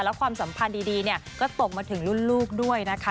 แล้วความสัมพันธ์ดีก็ตกมาถึงรุ่นลูกด้วยนะคะ